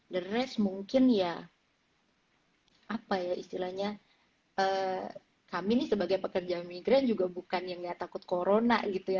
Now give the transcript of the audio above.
the res mungkin ya apa ya istilahnya kami nih sebagai pekerja migran juga bukan yang nggak takut corona gitu ya